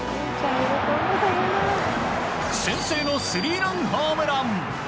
先制のスリーランホームラン。